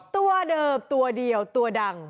ตัวเดิมตัวเดียวิทยาการ